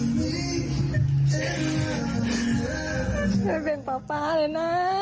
มันเป็นป๊าป๊าเลยน้า